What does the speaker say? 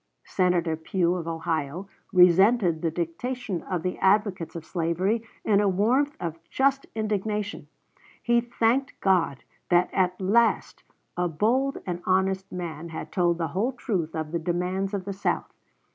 Senator Pugh, of Ohio, resented the dictation of the advocates of slavery in a warmth of just indignation. He thanked God that at last a bold and honest man had told the whole truth of the demands of the South.